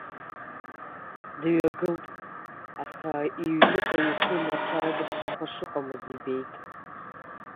Дҩагылт, аха иҩныҟа ихы имырхар ада ԥсыхәа шыҟамыз ибеит.